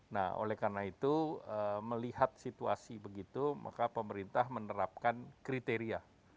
nah oleh karena itu melihat situasi begitu maka pemerintah menerapkan kriteria